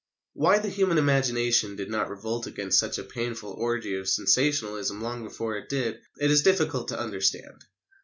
'" Why the human imagination did not revolt against such a painful orgy of sensationalism long before it did, it is difficult to understand.